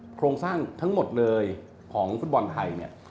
โครงสร้างทั้งหมดเลยของฟุตบอลไทยเนี่ย